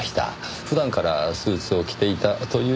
普段からスーツを着ていたというような事は？